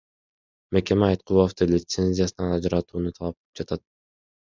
Мекеме Айткуловду лицензиясынан ажыратууну талап кылып жатат.